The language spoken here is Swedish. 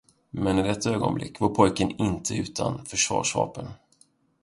Men i detta ögonblick var pojken inte utan försvarsvapen.